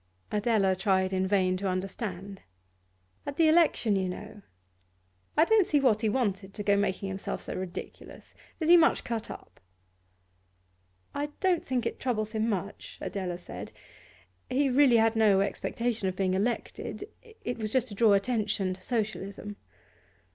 Adela tried in vain to understand. 'At the election, you know. I don't see what he wanted to go making himself so ridiculous. Is he much cut up?' 'I don't think it troubles him much,' Adela said; 'he really had no expectation of being elected. It was just to draw attention to Socialism.